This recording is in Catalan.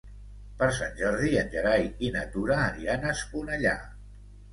Per Sant Jordi en Gerai i na Tura aniran a Esponellà.